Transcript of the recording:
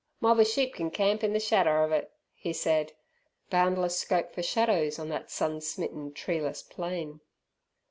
"Mob er sheep can camp in the shadder of it," he said. Boundless scope for shadows on that sun smitten treeless plain!